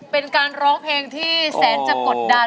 เป็นการร้องเพลงที่แสนจะกดดัน